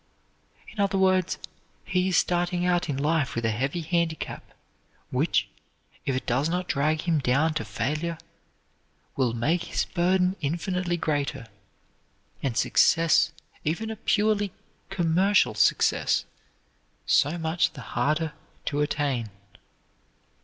In other words, he is starting out in life with a heavy handicap, which, if it does not drag him down to failure, will make his burden infinitely greater, and success, even a purely commercial success, so much the harder to attain.